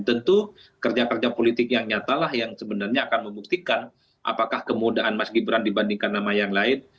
tentu kerja kerja politik yang nyata lah yang sebenarnya akan membuktikan apakah kemudahan mas gibran dibandingkan nama yang lain